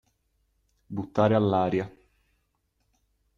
Buttare all'aria.